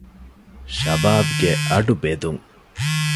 ޝަބާބްގެ އަޑު ބެދުން